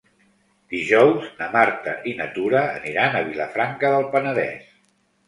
Dijous na Marta i na Tura aniran a Vilafranca del Penedès.